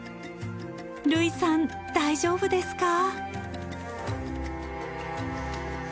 類さん大丈夫ですか？